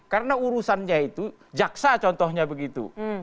karena urusannya itu jaksa contohnya begitu